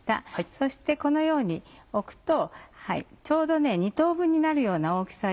そしてこのように置くとちょうど２等分になるような大きさに。